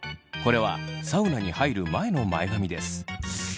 これはサウナに入る前の前髪です。